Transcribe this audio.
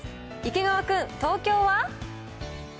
池川君、東京は？